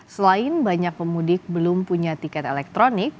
selain banyak pemudik belum punya tiket elektronik